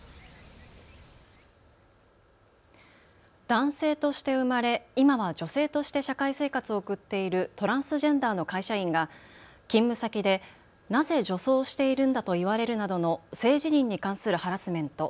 男性として生まれ今は女性として社会生活を送っているトランスジェンダーの会社員が勤務先で、なぜ女装しているんだと言われるなどの性自認に関するハラスメント、ＳＯＧＩ